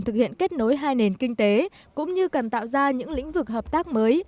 thực hiện kết nối hai nền kinh tế cũng như cần tạo ra những lĩnh vực hợp tác mới